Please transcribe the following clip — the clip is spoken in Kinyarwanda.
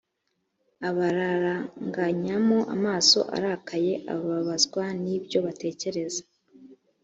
abararanganyamo amaso arakaye ababazwa nibyo batekereza